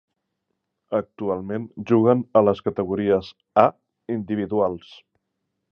Actualment, juguen a les categories "A" individuals.